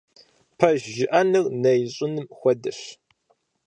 Пэж жыӀэныр нэ ищӀыным хуэдэщ.